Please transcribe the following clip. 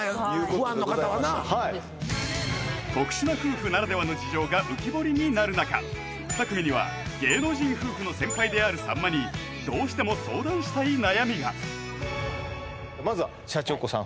ファンの方はな特殊な夫婦ならではの事情が浮き彫りになる中２組には芸能人夫婦の先輩であるさんまにどうしても相談したい悩みがまずはシャチホコさん